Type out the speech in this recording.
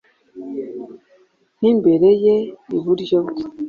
nk imbere ye, iburyo bwe